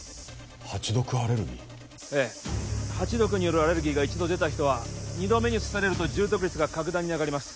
ええハチ毒によるアレルギーが一度出た人は二度目に刺されると重篤率が格段に上がります